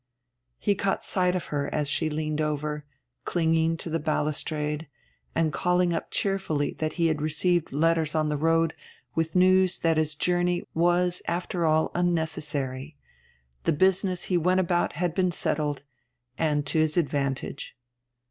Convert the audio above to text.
He caught sight of her as she leaned over, clinging to the balustrade; and called up cheerfully that he had received letters on the road with news that his journey was after all unnecessary the business he went about had been settled, and to his advantage.